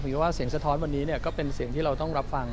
คิดว่าเสียงสะท้อนวันนี้ก็เป็นเสียงที่เราต้องรับฟัง